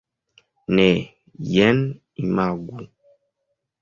Ne, jen imagu!